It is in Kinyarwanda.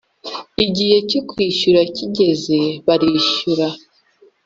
igihe cyo kwishyura kigeze bari shyura